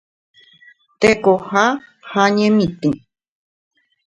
Tekoha ha ñemitỹ.